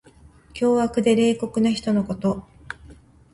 凶悪で冷酷な人のこと。